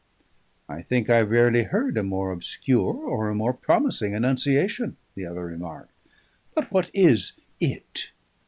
"I think I rarely heard a more obscure or a more promising annunciation," the other remarked. "But what is It?"